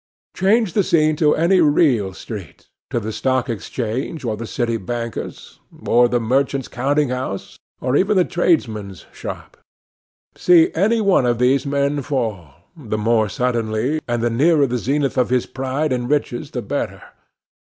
Change the scene to any real street;—to the Stock Exchange, or the City banker's; the merchant's counting house, or even the tradesman's shop. See any one of these men fall,—the more suddenly, and the nearer the zenith of his pride and riches, the better.